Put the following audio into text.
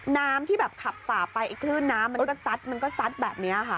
น้ำที่แบบขับฝ่าไปอีกขึ้นน้ำมันก็ซัดแบบนี้ค่ะ